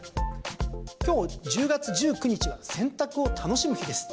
今日１０月１９日は洗濯を楽しむ日です。